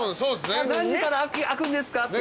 「何時から開くんですか？」